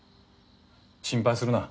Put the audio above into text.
心配するな。